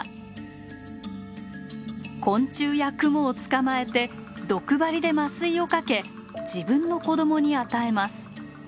昆虫やクモを捕まえて毒針で麻酔をかけ自分の子供に与えます。